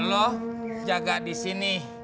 lho jaga di sini